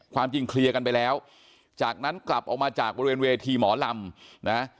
ความจริงเคลียร์กันไปแล้วจากนั้นกลับออกมาจากบริเวณเวทีหมอลำนะ